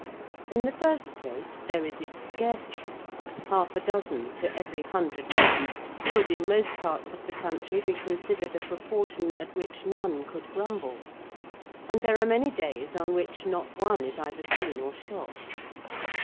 In the first place, there is its scarcity. Half a dozen to every hundred pheasants would in most parts of the country be considered a proportion at which none could grumble, and there are many days on which not one is either seen or shot.